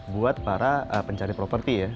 buat para pencari properti ya